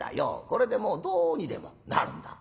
これでもうどうにでもなるんだ。ね？